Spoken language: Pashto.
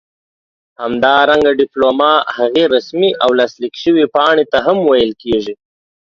همدارنګه ډيپلوما هغې رسمي او لاسليک شوي پاڼې ته هم ويل کيږي